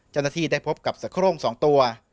เจ้าหน้าที่ได้พบกับสะโคร่ง๒ตัว